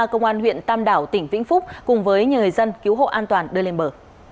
công an huyện tam đảo tỉnh vĩnh phúc cùng với nhiều người dân cứu hộ an toàn đưa lên bờ